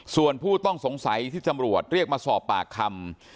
ส่วนผู้ต้องสงสัยที่ตำรวจเรียกมาสอบปากคำ